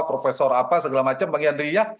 profesor apa segala macam bagian dirinya